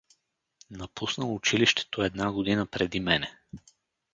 Напуснал училището една година преди мене.